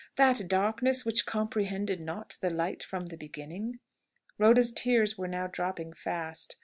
that darkness which comprehended not the light from the beginning." Rhoda's tears were now dropping fast.